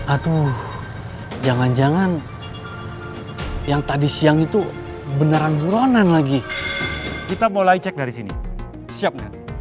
aduh jangan jangan yang tadi siang itu beneran buronan lagi kita mulai cek dari sini siap nggak